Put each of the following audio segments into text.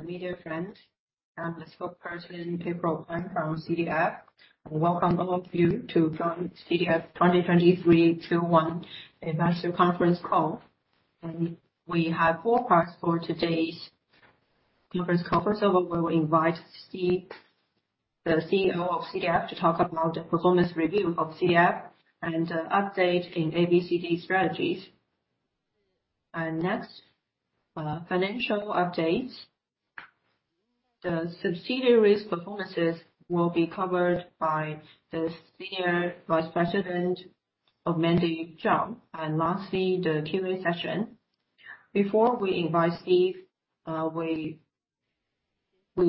My dear friends, I'm the spokesperson, April Huang from CDF. Welcome all of you to join CDF 2023 Q1 investor conference call. We have four parts for today's conference call. First of all, we will invite Steve, the CEO of CDF, to talk about the performance review of CDF and update in ABCD strategies. Next, financial updates. The subsidiary's performances will be covered by the Senior Vice President, Mandy Chung. Lastly, the Q&A session. Before we invite Steve, we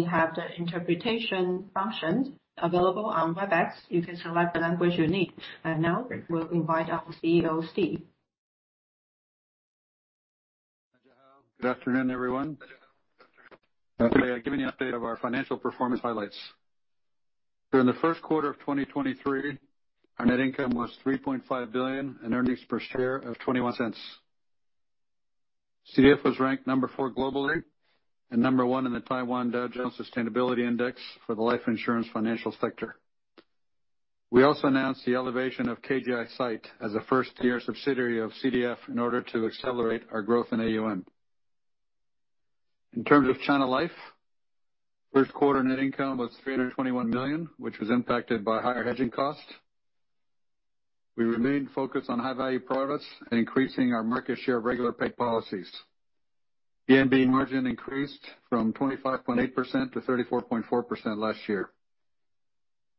have the interpretation functions available on Webex. You can select the language you need. Now we'll invite our CEO, Steve. Good afternoon, everyone. Today, I'll give you an update of our financial performance highlights. During the first quarter of 2023, our net income was 3.5 billion, and earnings per share of 0.21. CDF was ranked number 4 globally and number 1 in the Taiwan Dow Jones Sustainability Index for the life insurance financial sector. We also announced the elevation of KGI SITE as a first-tier subsidiary of CDF in order to accelerate our growth in AUM. In terms of China Life, first quarter net income was 321 million, which was impacted by higher hedging costs. We remain focused on high-value products and increasing our market share of regular pay policies. The VNB margin increased from 25.8% to 34.4% last year.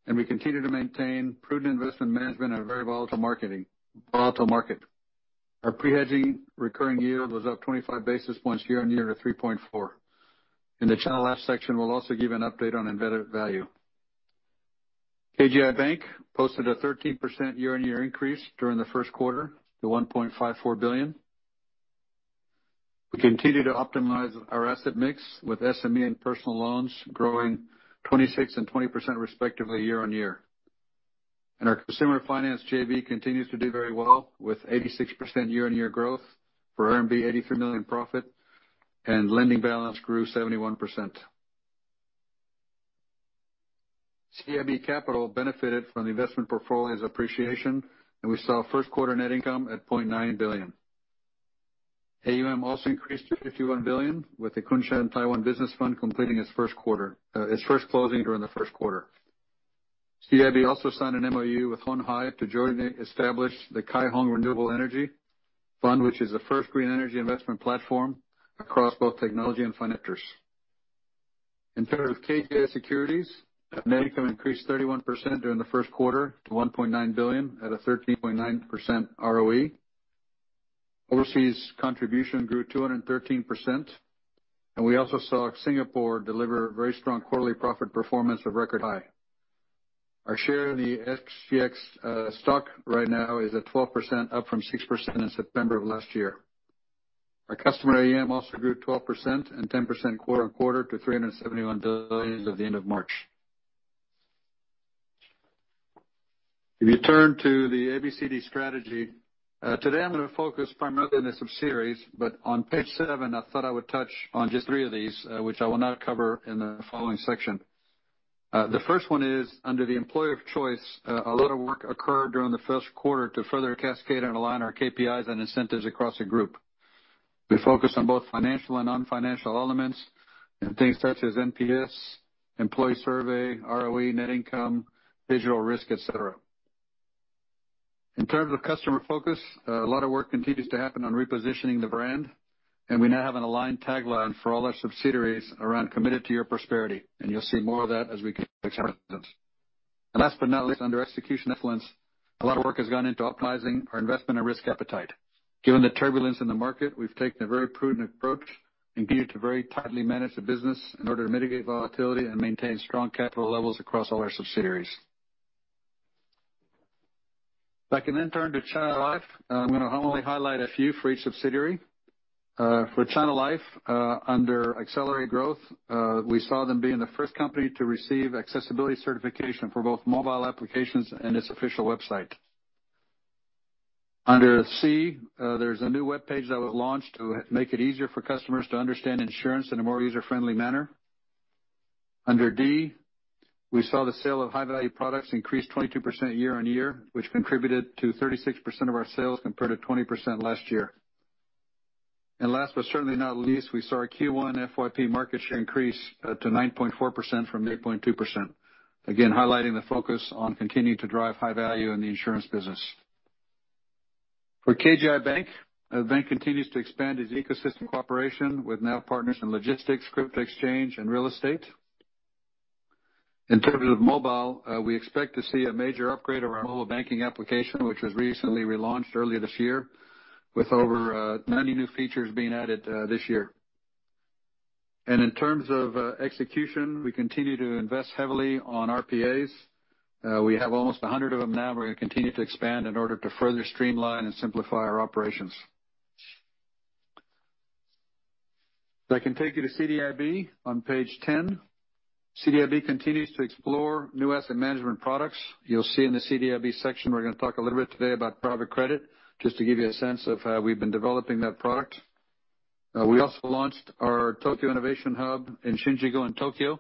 We continue to maintain prudent investment management in a very volatile market. Our pre-hedging recurring yield was up 25 basis points year-over-year to 3.4%. In the China Life section, we'll also give an update on embedded value. KGI Bank posted a 13% year-over-year increase during the first quarter to 1.54 billion. We continue to optimize our asset mix, with SME and personal loans growing 26% and 20% respectively year-over-year. Our consumer finance JV continues to do very well, with 86% year-over-year growth for RMB 83 million profit, and lending balance grew 71%. CDIB Capital benefited from the investment portfolio's appreciation, and we saw first quarter net income at 0.9 billion. AUM also increased to 51 billion, with the Kunshan Taiwan Business Fund completing its first closing during the first quarter. CDIB also signed an MoU with Hon Hai to jointly establish the Kaihon Renewable Energy Fund, which is the first green energy investment platform across both technology and financials. In terms of KGI Securities, net income increased 31% during the first quarter to 1.9 billion at a 13.9% ROE. Overseas contribution grew 213%, and we also saw Singapore deliver very strong quarterly profit performance of record high. Our share of the SGX stock right now is at 12%, up from 6% in September of last year. Our customer AUM also grew 12% and 10% quarter-over-quarter to 371 billion at the end of March. If you turn to the ABCD strategy, today I'm going to focus primarily on the subsidiaries, but on page seven, I thought I would touch on just three of these, which I will now cover in the following section. The first one is under the employer of choice, a lot of work occurred during the first quarter to further cascade and align our KPIs and incentives across the group. We focused on both financial and non-financial elements in things such as NPS, employee survey, ROE, net income, digital risk, et cetera. In terms of customer focus, a lot of work continues to happen on repositioning the brand, and we now have an aligned tagline for all our subsidiaries around Committed to Your Prosperity. You'll see more of that as we. Last but not least, under execution excellence, a lot of work has gone into optimizing our investment and risk appetite. Given the turbulence in the market, we've taken a very prudent approach and continue to very tightly manage the business in order to mitigate volatility and maintain strong capital levels across all our subsidiaries. If I can then turn to China Life, I'm going to only highlight a few for each subsidiary. For China Life, under accelerated growth, we saw them being the first company to receive accessibility certification for both mobile applications and its official website. Under C, there's a new webpage that was launched to make it easier for customers to understand insurance in a more user-friendly manner. Under D, we saw the sale of high-value products increase 22% year-on-year, which contributed to 36% of our sales compared to 20% last year. Last, but certainly not least, we saw our Q1 FYP market share increase to 9.4% from 8.2%. Again, highlighting the focus on continuing to drive high value in the insurance business. For KGI Bank, the bank continues to expand its ecosystem cooperation with now partners in logistics, crypto exchange, and real estate. In terms of mobile, we expect to see a major upgrade of our mobile banking application, which was recently relaunched earlier this year with over 90 new features being added this year. In terms of execution, we continue to invest heavily on RPAs. We have almost 100 of them now. We're going to continue to expand in order to further streamline and simplify our operations. If I can take you to CDIB on page ten. CDIB continues to explore new asset management products. You'll see in the CDIB section, we're going to talk a little bit today about private credit, just to give you a sense of how we've been developing that product. We also launched our Tokyo Innovation Hub in Shinjuku in Tokyo,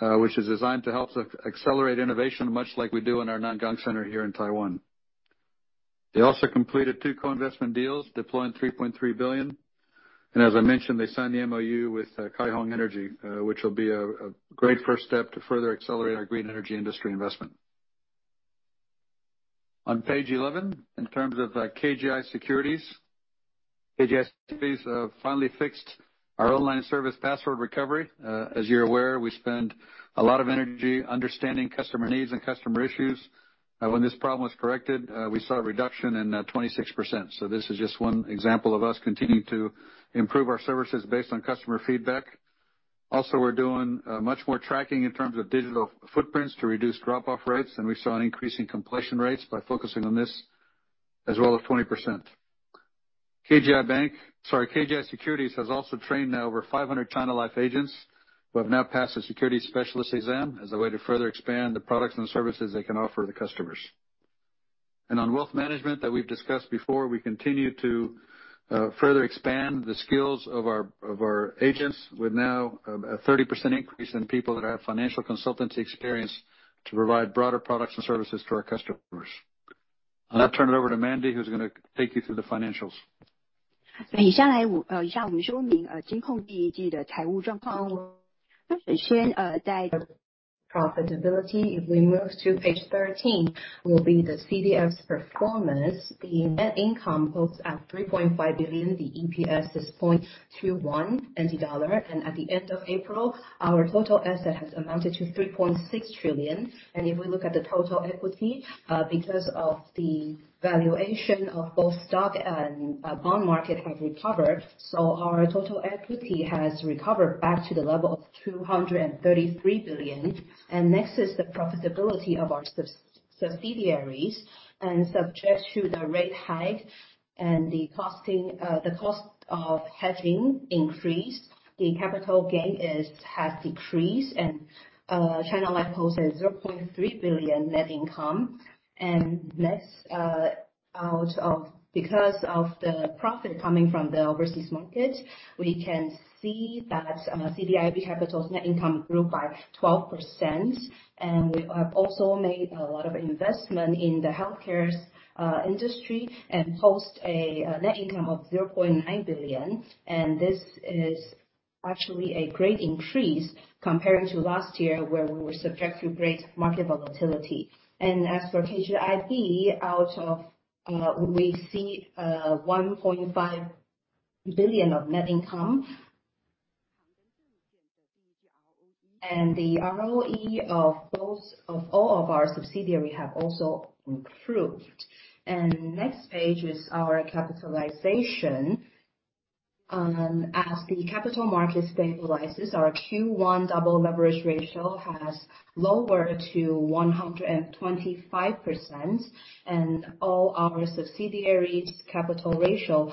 which is designed to help accelerate innovation, much like we do in our Nangang Center here in Taiwan. They also completed two co-investment deals, deploying 3.3 billion. As I mentioned, they signed the MOU with Kaihong Energy, which will be a great first step to further accelerate our green energy industry investment. On page 11, in terms of KGI Securities. KGI Securities have finally fixed our online service password recovery. As you are aware, we spend a lot of energy understanding customer needs and customer issues. When this problem was corrected, we saw a reduction in 26%. This is just one example of us continuing to improve our services based on customer feedback. Also, we are doing much more tracking in terms of digital footprints to reduce drop-off rates, and we saw an increase in completion rates by focusing on this as well of 20%. KGI Securities has also trained over 500 China Life agents who have now passed the securities specialist exam as a way to further expand the products and services they can offer the customers. On wealth management that we have discussed before, we continue to further expand the skills of our agents with now a 30% increase in people that have financial consultancy experience to provide broader products and services to our customers. I will now turn it over to Mandy, who is going to take you through the financials. profitability. If we move to page 13, will be the CDIB's performance. The net income closed at 3.5 billion. The EPS is 0.21 NT dollar. At the end of April, our total asset has amounted to 3.6 trillion. If we look at the total equity, because of the valuation of both stock and bond market have recovered, so our total equity has recovered back to the level of 233 billion. Next is the profitability of our subsidiaries, and subject to the rate hike and the cost of hedging increased, the capital gain has decreased, and China Life posted 0.3 billion net income. Next, because of the profit coming from the overseas market, we can see that CDIB Capital's net income grew by 12%. We have also made a lot of investment in the healthcare industry and post a net income of 0.9 billion. This is actually a great increase compared to last year, where we were subject to great market volatility. As for KGIB, we see 1.5 billion of net income. The ROE of all of our subsidiary have also improved. Next page is our capitalization. As the capital market stabilizes, our Q1 double leverage ratio has lowered to 125%, and all our subsidiaries capital ratio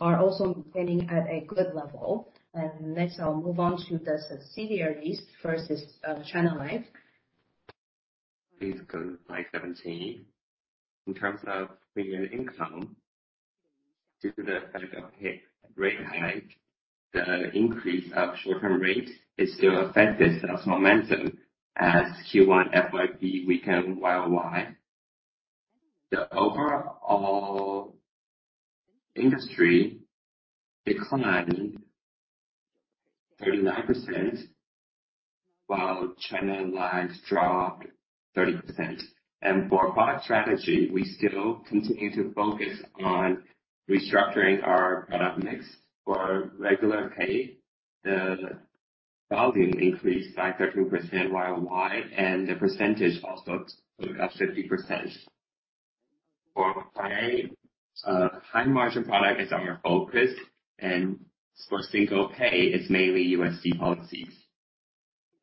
are also maintaining at a good level. Next, I will move on to the subsidiaries. First is China Life. Please go to slide 17. In terms of premium income, due to the federal rate hike, the increase of short-term rate, it still affected sales momentum as Q1 FYP weakened year-over-year. The overall industry declined 39%, while China Life dropped 30%. For product strategy, we still continue to focus on restructuring our product mix. For regular pay, the volume increased by 13% year-over-year, and the percentage also moved up 50%. For high margin product is our focus, and for single pay, it is mainly USD policies.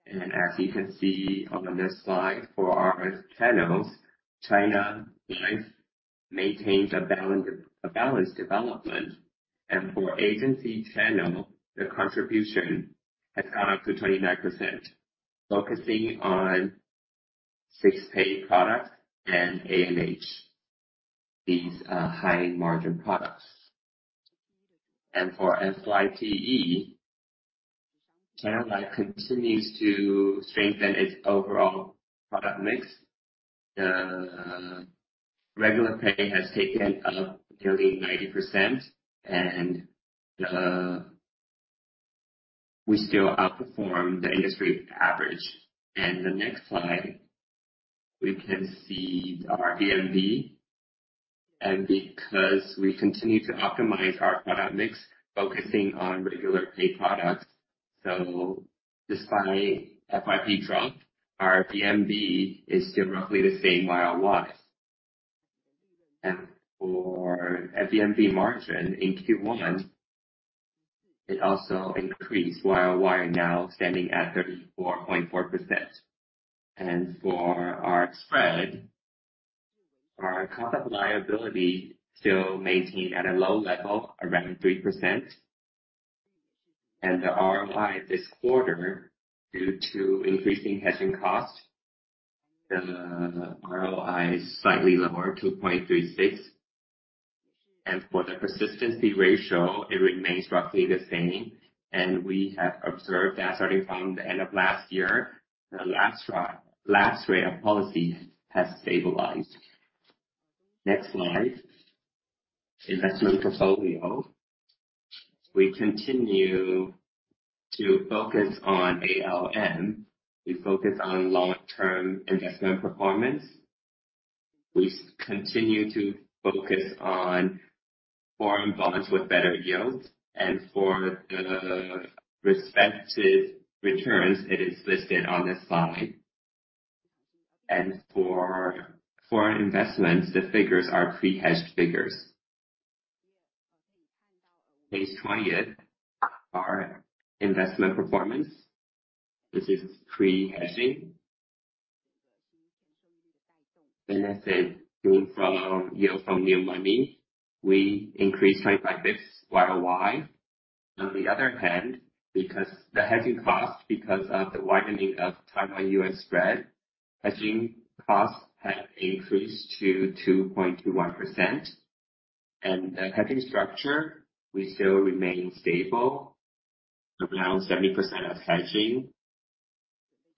As you can see on this slide for our channels, China Life maintains a balanced development. For agency channel, the contribution has gone up to 29%, focusing on fixed pay product and A&H. These are high margin products. For FYPE, China Life continues to strengthen its overall product mix. The regular pay has taken up nearly 90%, and we still outperform the industry average. The next slide, we can see our VNB. Because we continue to optimize our product mix, focusing on regular pay products. So despite FYP drop, our VNB is still roughly the same year-over-year. For VNB margin in Q1, it also increased year-over-year, now standing at 34.4%. For our spread, our cost of liability still maintained at a low level around 3%. The ROI this quarter, due to increasing hedging cost, the ROI is slightly lower, 2.36. For the persistency ratio, it remains roughly the same. We have observed that starting from the end of last year, the lapse rate of policy has stabilized. Next slide. Investment portfolio. We continue to focus on ALM. We focus on long-term investment performance. We continue to focus on foreign bonds with better yields. For the respective returns, it is listed on this slide. For foreign investments, the figures are pre-hedged figures. Page 20, our investment performance. This is pre-hedging. Benefit from yield from new money, we increased 25 basis points year-on-year. On the other hand, because the hedging cost, because of the widening of Taiwan-U.S. spread, hedging costs have increased to 2.21%. The hedging structure, we still remain stable. Around 70% of hedging.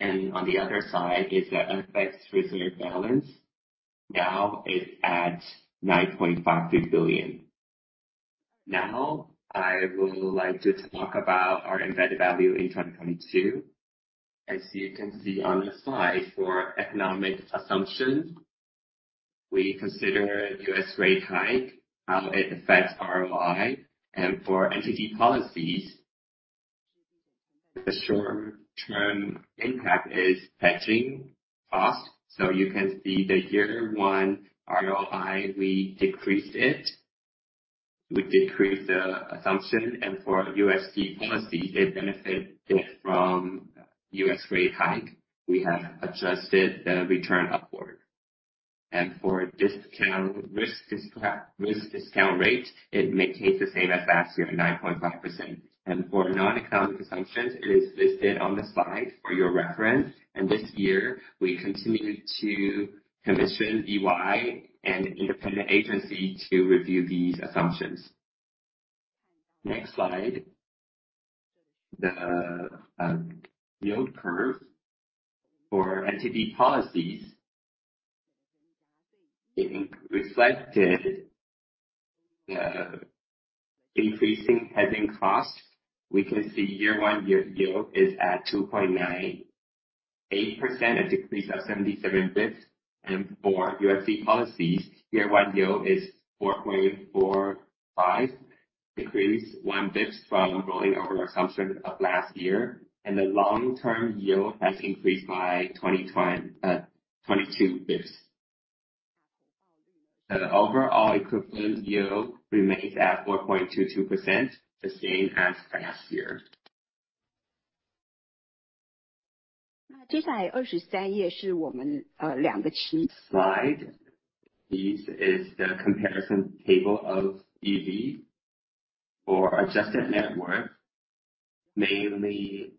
On the other side is the FX reserve balance. Now it is at NTD 9.53 billion. Now, I would like to talk about our embedded value in 2022. As you can see on the slide for economic assumption, we consider U.S. rate hike, how it affects ROI and for NTD policies. The short-term impact is hedging cost, so you can see the year one ROI, we decreased it. We decreased the assumption and for USD policy, it benefited from U.S. rate hike. We have adjusted the return upward. For risk discount rate, it maintains the same as last year, 9.5%. For non-economic assumptions, it is listed on the slide for your reference. This year, we continue to commission EY and independent agency to review these assumptions. Next slide. The yield curve for NTD policies. It reflected the increasing hedging costs. We can see year one yield is at 2.98%, a decrease of 77 basis points. For USD policies, year one yield is 4.45%, decrease one basis point from rolling over assumption of last year. The long-term yield has increased by 22 basis points. The overall equivalent yield remains at 4.22%, the same as last year. Slide. This is the comparison table of EV. For adjusted net worth, mainly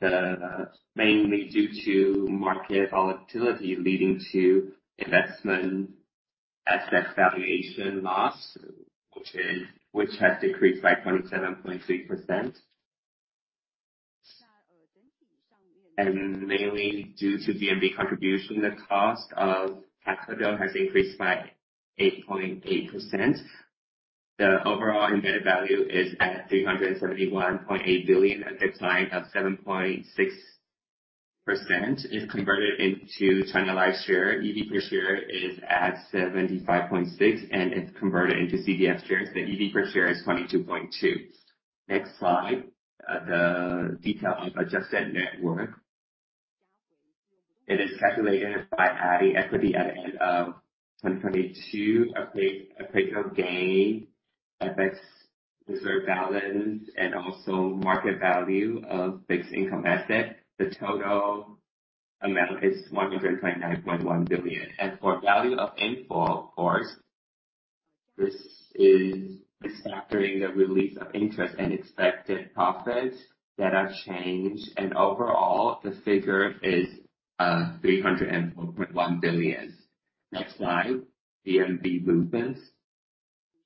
due to market volatility, leading to investment asset valuation loss, which has decreased by 27.3%. Mainly due to DMV contribution, the cost of tax bill has increased by 8.8%. The overall embedded value is at 371.8 billion, a decline of 7.6%. If converted into China Life share, EV per share is at 75.6, and if converted into CDF shares, the EV per share is 22.2. Next slide, the detail of adjusted net worth. It is calculated by adding equity at end of 2022, appraisal gain, FX reserve balance, and also market value of fixed income asset. The total amount is 129.1 billion. As for value of in-force, this is factoring the release of interest and expected profits that have changed, and overall, the figure is 304.1 billion. Next slide, DMV movements.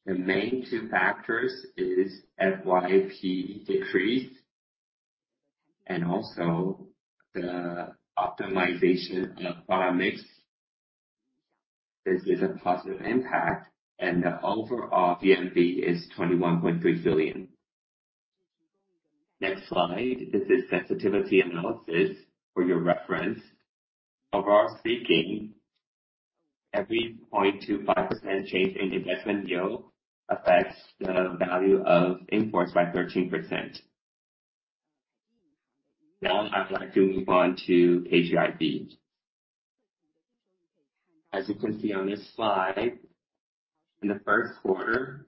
The main two factors is FYP decrease, and also the optimization of bond mix. This is a positive impact, and the overall DMV is 21.3 billion. Next slide, this is sensitivity analysis for your reference. Overall speaking, every 0.25% change in investment yield affects the value of in-force by 13%. Now I'd like to move on to KGI Bank. As you can see on this slide, in the first quarter.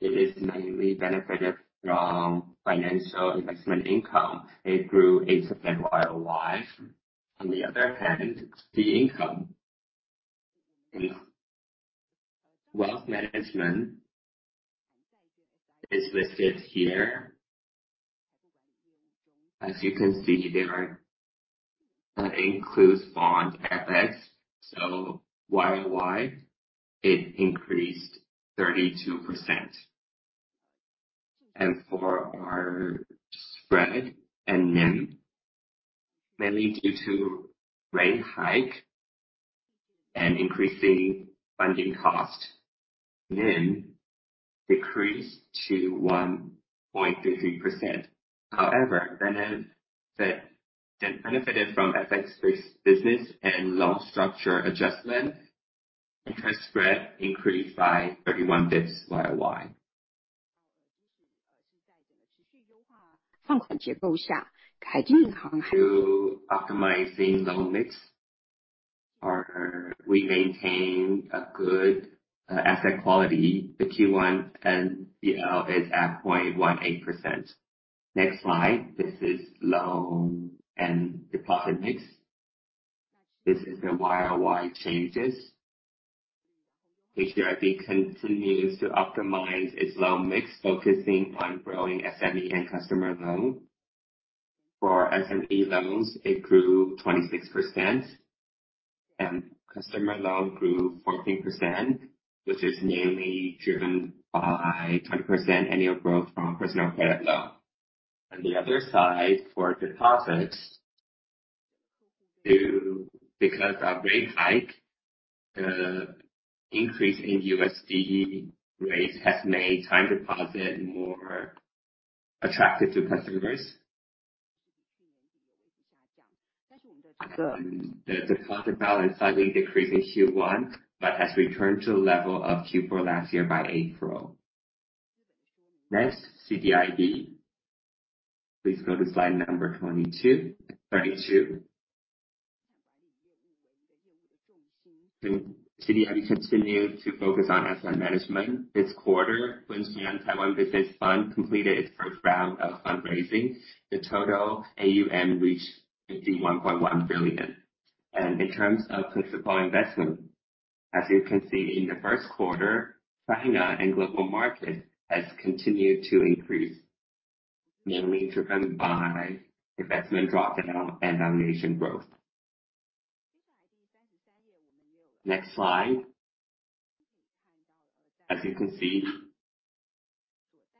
It is mainly benefited from financial investment income. It grew 8% YoY. On the other hand, fee income in wealth management is listed here. As you can see, that includes bond FX. YoY, it increased 32%. For our spread and NIM, mainly due to rate hike and increasing funding cost, NIM decreased to 1.33%. However, benefited from FX-based business and loan structure adjustment, interest spread increased by 31 basis points YoY. To optimizing loan mix, we maintain a good asset quality. The Q1 NPL is at 0.18%. Next slide. This is loan and deposit mix. This is the YoY changes. CDIB continues to optimize its loan mix, focusing on growing SME and customer loan. For SME loans, it grew 26%, and customer loan grew 14%, which is mainly driven by 20% annual growth from personal loan. On the other side, for deposits, because of rate hike, the increase in USD rates has made time deposit more attractive to customers. The deposit balance slightly decreased in Q1, but has returned to the level of Q4 last year by April. Next, CDIB. Please go to slide number 22. CDIB continued to focus on asset management. This quarter, Kunshan Taiwan Business Fund completed its first round of fundraising. The total AUM reached 51.1 billion. In terms of principal investment, as you can see in the first quarter, China and global markets has continued to increase, mainly driven by investment drop down and valuation growth. Next slide. As you can see,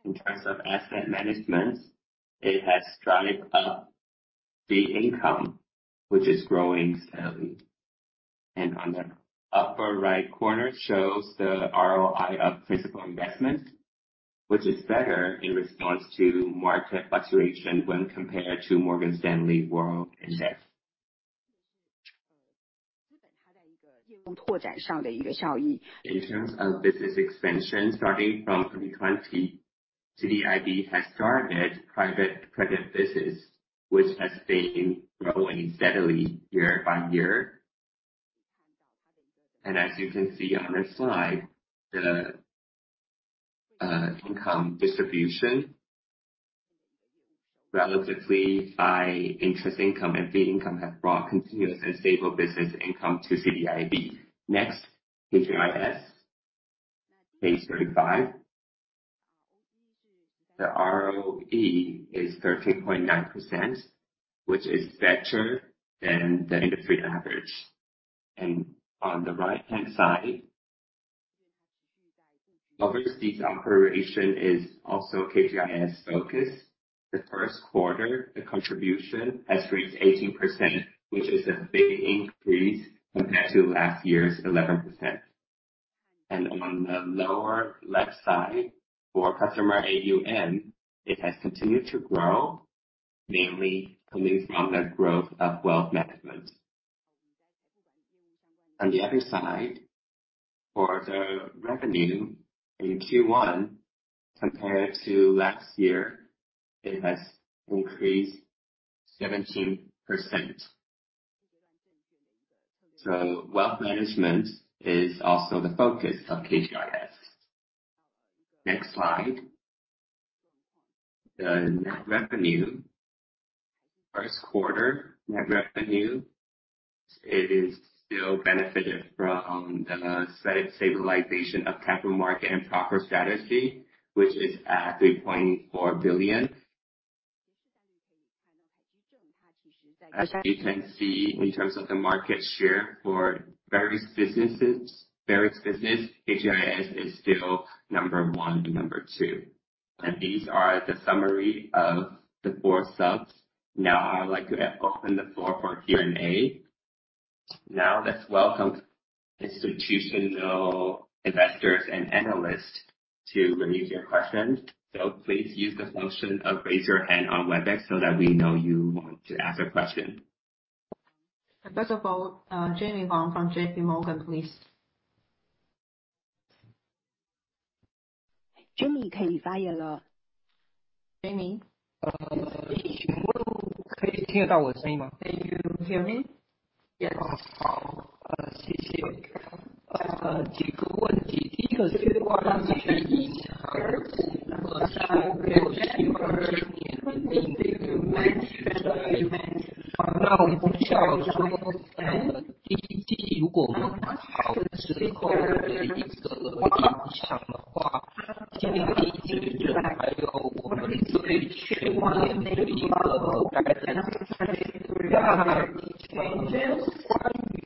in terms of asset management, it has driven up fee income, which is growing steadily. On the upper right corner shows the ROI of principal investment, which is better in response to market fluctuation when compared to MSCI World Index. In terms of business expansion, starting from 2020, CDIB has started private credit business, which has been growing steadily year by year. As you can see on this slide, the income distribution, relatively high interest income and fee income have brought continuous and stable business income to CDIB. Next, KGIS. Page 35. The ROE is 13.9%, which is better than the industry average. On the right-hand side, overseas operation is also KGIS focus. The first quarter, the contribution has reached 18%, which is a big increase compared to last year's 11%. On the lower left side, for customer AUM, it has continued to grow, mainly coming from the growth of wealth management. On the other side, for the revenue in Q1, compared to last year, it has increased 17%. Wealth management is also the focus of KGIS. Next slide. The net revenue. First quarter net revenue, it is still benefited from the stabilization of capital market and proper strategy, which is at 3.4 billion. As you can see, in terms of the market share for various business, KGIS is still number one and number two. These are the summary of the four subs. Now I would like to open the floor for Q&A. Now let's welcome institutional investors and analysts to raise your question. Please use the function of Raise Your Hand on Webex so that we know you want to ask a question. First of all, Jamie Wong from J.P. Morgan, please. Jamie, you can unmute now. Can you hear me? Can you hear me? Yes.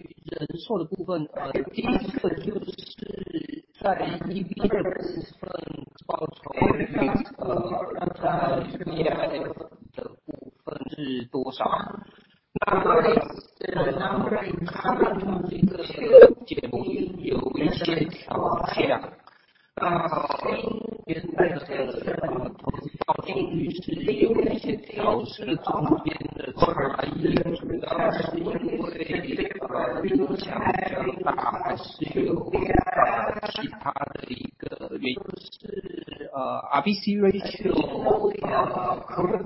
ratio。Could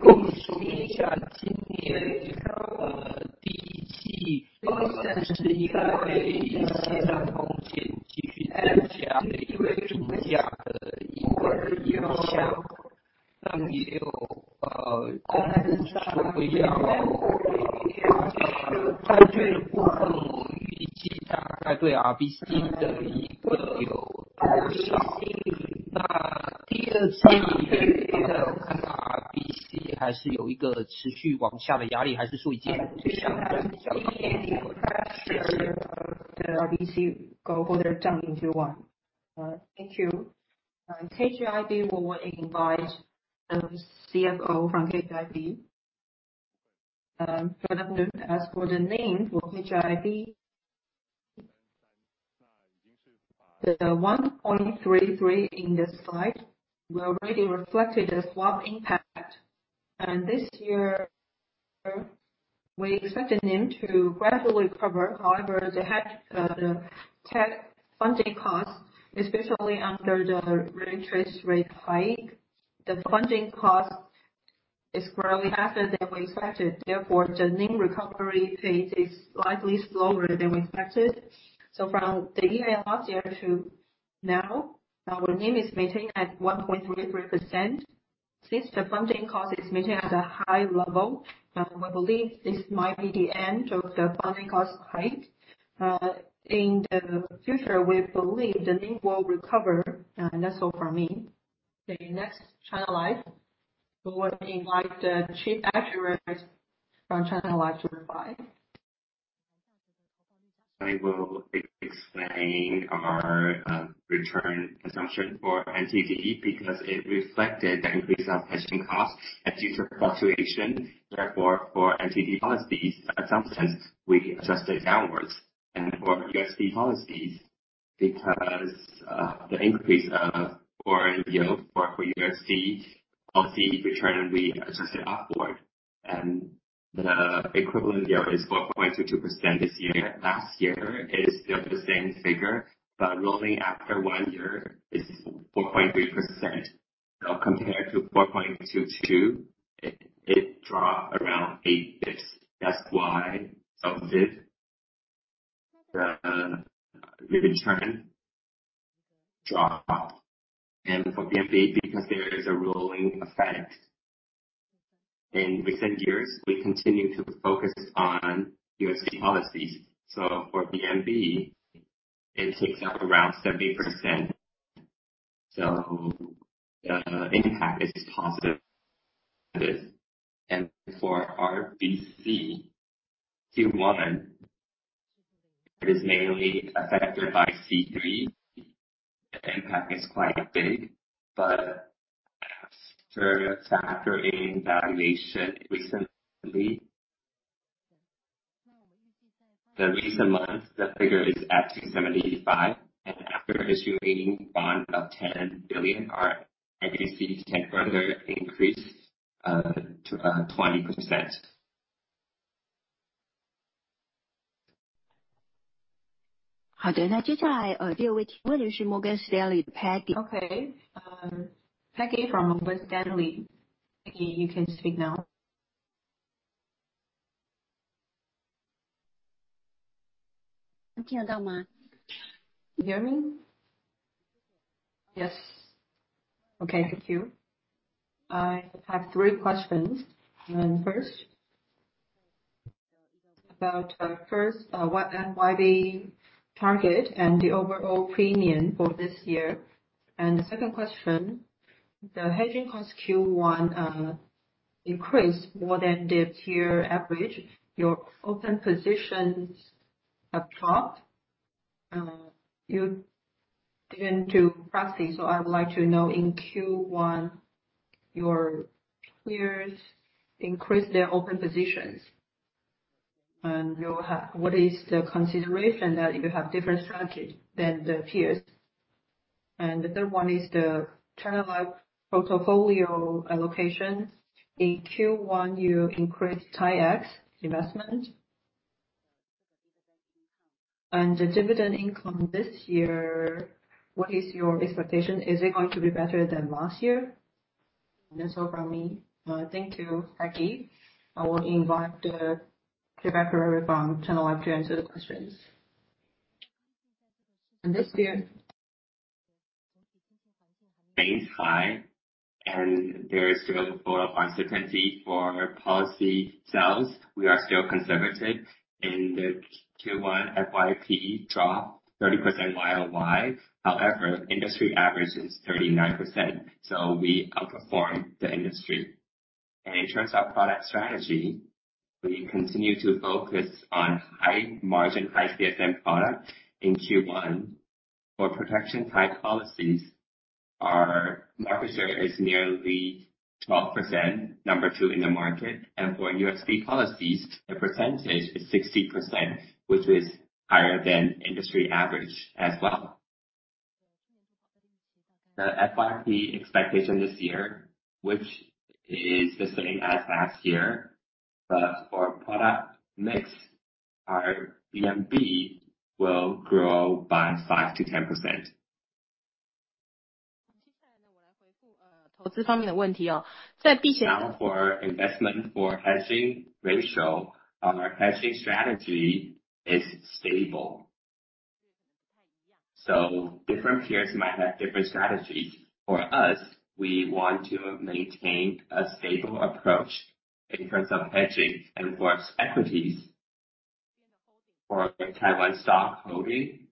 you please说明一下今年第一季，就是以外币新发债券继续增加的一个影响。那也有，就是说回到债券的部分预计大概对RBC的一个有多少？那第二次，就是看RBC还是有一个持续往下的压力，还是说已经趋向于稳定了，谢谢。RBC go further down into one. Thank you. KGI Bank, we will invite CFO from KGI Bank. Good afternoon. As for the NIM for KGI Bank. The 1.33 in this slide, we already reflected the swap impact. This year, we expect the NIM to gradually recover. However, the tech funding cost, especially under the interest rate hike, the funding cost is growing faster than we expected. Therefore, the NIM recovery pace is slightly slower than we expected. From the year last year to now, our NIM is maintained at 1.33%. Since the funding cost is maintained at a high level, we believe this might be the end of the funding cost hike. In the future, we believe the NIM will recover. That's all from me. Okay, next, China Life. We will invite the chief actuary from China Life to reply. I will explain our return assumption for NTD because it reflected the increase of hedging cost and due to fluctuation. Therefore, for NTD policies, at some sense, we adjust it downwards. For USD policies, because the increase of foreign yield for USD of the return, we adjusted upward, and the equivalent yield is 4.22% this year. Last year, it is still the same figure, but rolling after one year is 4.3%. Now, compared to 4.22, it dropped around eight basis points. For VNB, because there is a rolling effect. In recent years, we continue to focus on USD policies. For VNB, it takes up around 70%. The impact is positive. For RBC, Q1 is mainly affected by C3. The impact is quite big. But after a valuation recently, the recent months, the figure is at 275. After issuing bond of 10 billion, RBC can further increase to 20%. 好 的， 那接下来是 Morgan Stanley Peggy。Okay. Peggy from Morgan Stanley. Peggy, you can speak now. 能听到吗？ You hear me? Yes. Okay. Thank you. I have three questions. First, about what VNB target and the overall premium for this year. The second question, the hedging cost Q1 increased more than the peer average. Your open positions have dropped. You didn't proxy. I would like to know in Q1, your peers increased their open positions. What is the consideration that you have different strategy than the peers? The third one is the China Life portfolio allocation. In Q1, you increased TAIEX investment The dividend income this year, what is your expectation? Is it going to be better than last year? That's all from me. Thank you, Hackie. I will invite the Chief Financial Officer from China Life to answer the questions. Remains high, there is still a lot of uncertainty for policy sales. We are still conservative in the Q1 FYP drop, 30% year-on-year. However, industry average is 39%, so we outperformed the industry. In terms of product strategy, we continue to focus on high margin, high CSM products in Q1. For protection type policies, our market share is nearly 12%, number 2 in the market. For USD policies, the percentage is 60%, which is higher than industry average as well. The FYP expectation this year, which is the same as last year, but for product mix, our VNB will grow by 5%-10%. Now for investment for hedging ratio. Our hedging strategy is stable. Different peers might have different strategies. For us, we want to maintain a stable approach in terms of hedging and for equities. For Taiwan stock holding,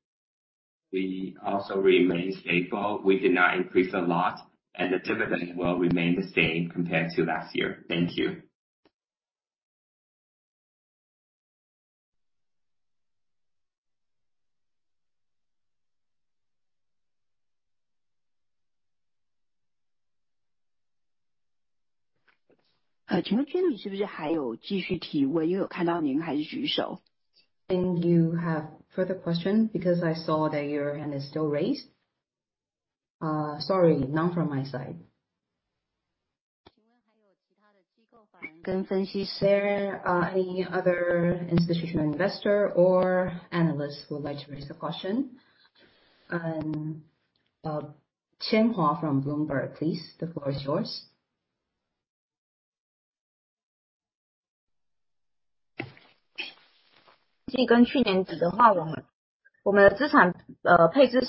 we also remain stable. We did not increase a lot. The dividend will remain the same compared to last year. Thank you. You have further question, because I saw that your hand is still raised? Sorry, none from my side. Is there any other institutional investor or analyst who would like to raise a question? Qian Hua from Bloomberg, please. The floor is yours. What is the amount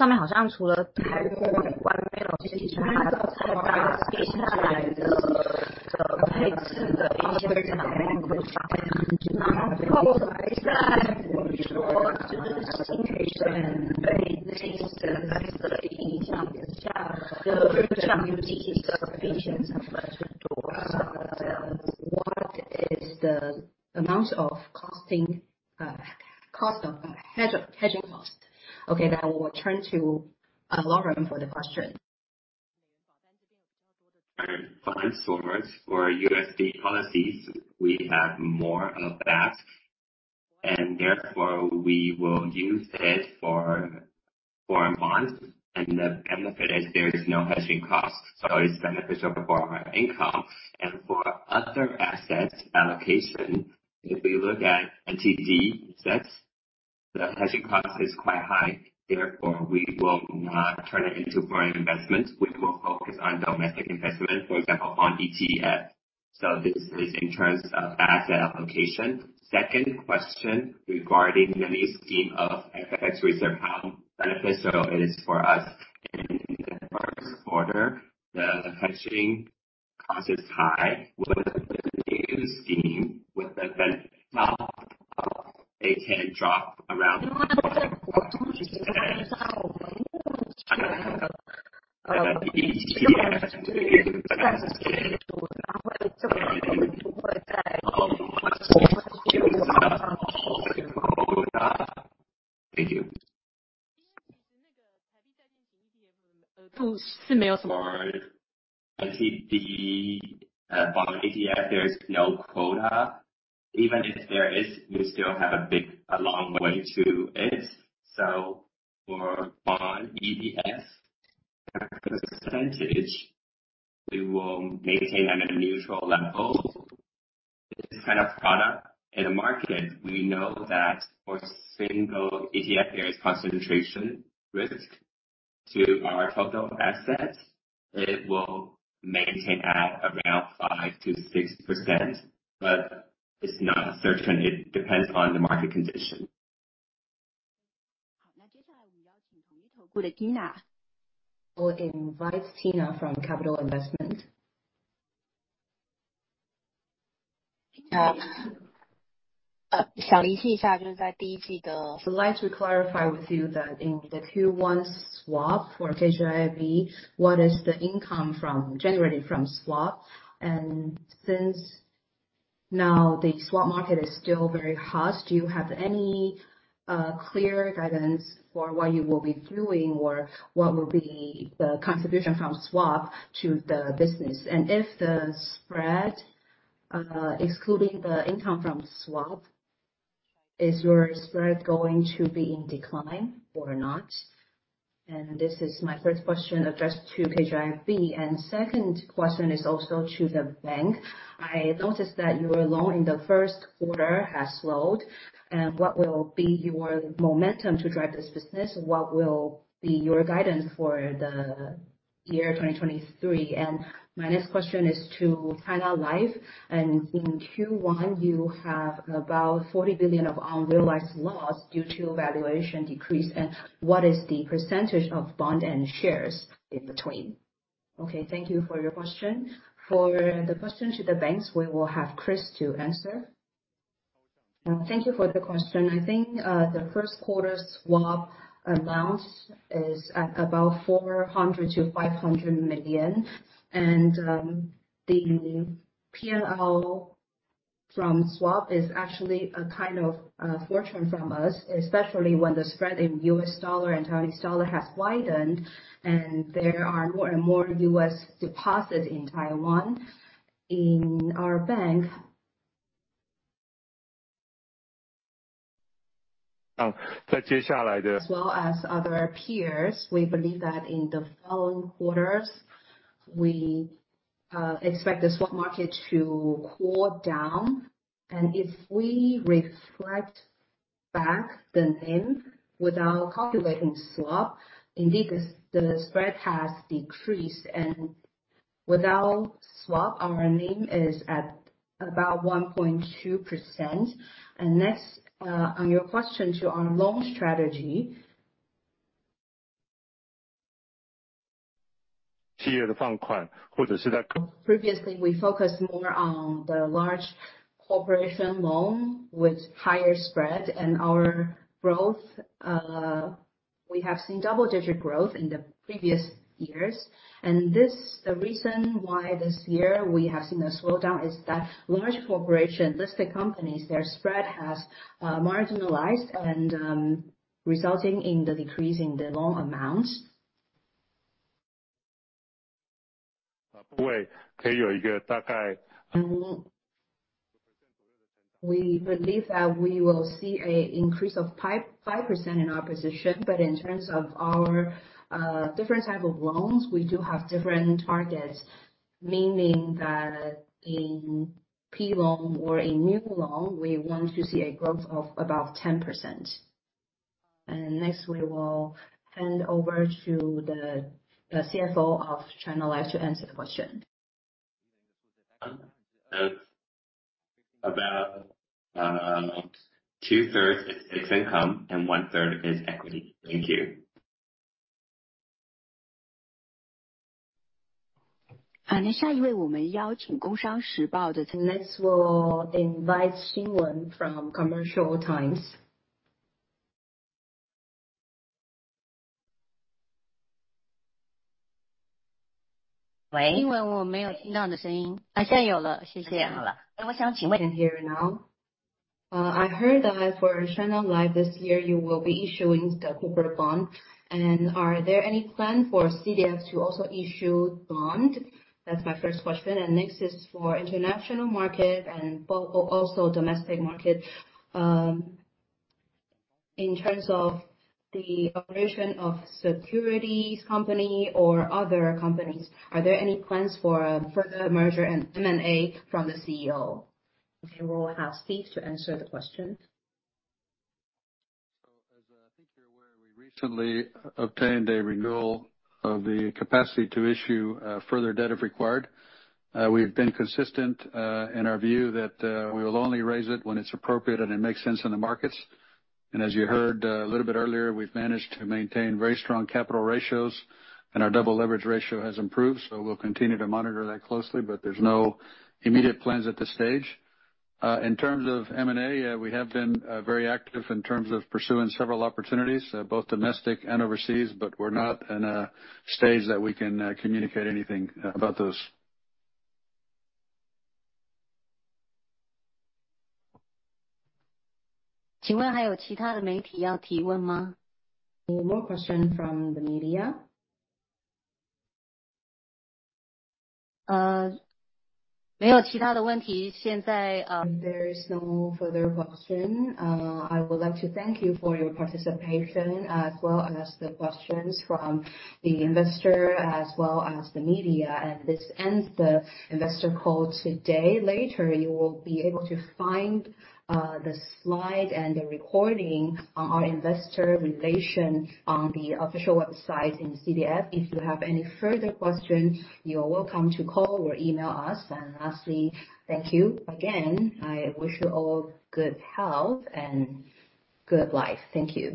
of hedging cost? Okay. We will turn to Lauren for the question. For fund source, for USD policies, we have more of that. Therefore, we will use it for foreign bonds. The benefit is there is no hedging cost. It's beneficial for our income and for other assets allocation. If we look at NTD assets, the hedging cost is quite high, therefore we will not turn it into foreign investment. We will focus on domestic investment, for example, on ETF. This is in terms of asset allocation. Second question regarding the new scheme of FX reserve, how beneficial it is for us in the first quarter? The hedging cost is high. With the new scheme, with the benefit. Thank you. For NTD bond ETF, there is no quota. Even if there is, we still have a long way to it. For bond ETF percentage, we will maintain at a neutral level. This kind of product in the market, we know that for single ETF, there is concentration risk to our total assets. It will maintain at around 5%-6%, but it's not certain. It depends on the market condition. We'll invite Tina from Capital Investment. I'd like to clarify with you that in the Q1 swap for KGI, what is the income generated from swap? Since now the swap market is still very harsh, do you have any clear guidance for what you will be doing or what will be the contribution from swap to the business? If the spread, excluding the income from swap, is your spread going to be in decline or not? This is my first question addressed to KGI FB. Second question is also to the bank. I noticed that your loan in the first quarter has slowed. What will be your momentum to drive this business? What will be your guidance for the year 2023? My next question is to China Life. In Q1, you have about 40 billion of unrealized loss due to valuation decrease. What is the percentage of bond and shares in between? Okay, thank you for your question. For the question to the banks, we will have Chris to answer. Thank you for the question. I think, the first quarter swap amounts is at about 400 million-500 million. The P&L from swap is actually a kind of fortune from us, especially when the spread in U.S. dollar and Taiwanese dollar has widened and there are more and more U.S. deposits in Taiwan. In our bank as well as other peers, we believe that in the following quarters, we expect the swap market to cool down. If we reflect back the NIM without calculating swap, indeed, the spread has decreased. Without swap, our NIM is at about 1.2%. Next, on your question to our loan strategy. Previously, we focused more on the large corporation loan with higher spread and our growth. We have seen double-digit growth in the previous years. The reason why this year we have seen a slowdown is that large corporation listed companies, their spread has marginalized and resulting in the decrease in the loan amount. We believe that we will see an increase of 5% in our position. In terms of our different type of loans, we do have different targets, meaning that in personal loan or a new loan, we want to see a growth of about 10%. Next, we will hand over to the CFO of China Life to answer the question. About two-thirds is fixed income and one-third is equity. Thank you. Next, we'll invite Hsin-Lin from Commercial Times. I can hear you now. I heard that for China Life this year you will be issuing the coupon bond. Are there any plan for CDF to also issue bond? That's my first question. Next is for international market and also domestic market. In terms of the operation of securities company or other companies, are there any plans for further merger and M&A from the CEO? Okay. We'll have Steve to answer the question. As I think you're aware, we recently obtained a renewal of the capacity to issue further debt if required. We've been consistent in our view that we will only raise it when it's appropriate and it makes sense in the markets. As you heard a little bit earlier, we've managed to maintain very strong capital ratios, and our double leverage ratio has improved. We'll continue to monitor that closely, but there's no immediate plans at this stage. In terms of M&A, we have been very active in terms of pursuing several opportunities, both domestic and overseas, but we're not in a stage that we can communicate anything about those. Any more question from the media? If there is no further question, I would like to thank you for your participation as well as the questions from the investor, as well as the media, this ends the investor call today. Later, you will be able to find the slide and the recording on our investor relation on the official website in CDF. If you have any further questions, you are welcome to call or email us. Lastly, thank you again. I wish you all good health and good life. Thank you